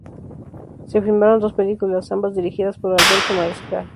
Se filmaron dos películas, ambas dirigidas por Alberto Mariscal.